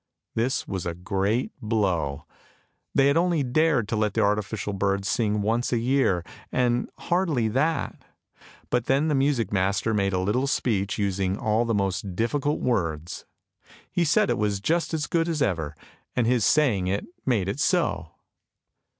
This was a great blow! They only dared to let the artificial bird sing once a year, and hardly that; but then the music master made a little speech using all the most difficult words. He said it was just as good as ever, and his saying it made it so.